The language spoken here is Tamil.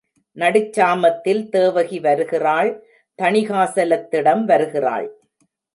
நடுச் சாமத்தில் தேவகி வருகிறாள் தணிகாசலத்திடம் வருகிறாள்.